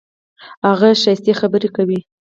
هغه ښکلي خبري کوي.